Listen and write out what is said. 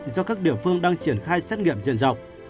do các địa phương đang triển khai xét nghiệm diện rộng